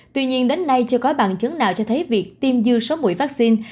tuy nhiên đến nay chưa có bằng chứng nào cho thấy việc tiêm dư số mũi vaccine